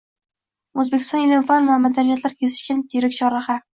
O‘zbekiston – ilm-fan va madaniyatlar kesishgan yirik chorraha